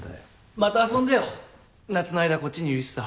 また遊んでよ夏の間はこっちにいるしさ。